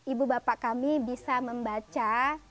ibu bapak kami bisa membaca